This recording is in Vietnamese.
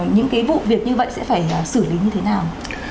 những cái vụ việc như vậy sẽ phải xử lý như thế nào